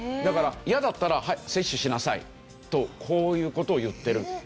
だから嫌だったら接種しなさいとこういう事を言ってる。